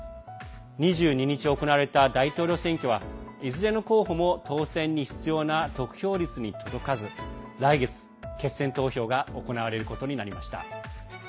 ２２日、行われた大統領選挙はいずれの候補も当選に必要な得票率に届かず来月、決選投票が行われることになりました。